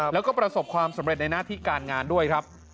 แล้วก็ประสบความสำเร็จในหน้าที่การงานด้วยครับ